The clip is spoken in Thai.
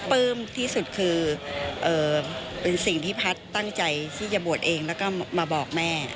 ปลื้มที่สุดคือเป็นสิ่งที่แพทย์ตั้งใจที่จะบวชเองแล้วก็มาบอกแม่